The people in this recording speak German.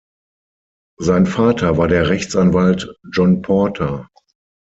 Sein Vater war der Rechtsanwalt John Porter.